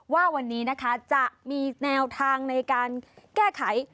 ว่าวันนี้นะคะจะมีแนวทางในการแก้ไข